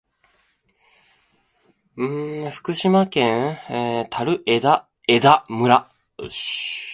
福島県檜枝岐村